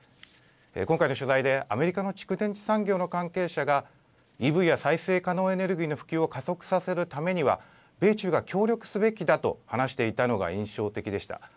今回の取材でアメリカの蓄電池産業の関係者がＥＶや再生可能エネルギーの普及を加速させるためには米中が協力すべきだと話していたのが印象的でした。